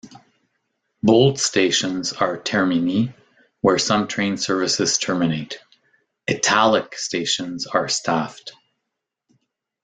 Bold stations are termini, where some train services terminate; "italic" stations are staffed.